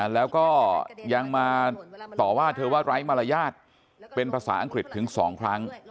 แล้วก็ยังมาต่อว่าเธอว่าไร้มารยาทเป็นภาษาอังกฤษถึง๒ครั้ง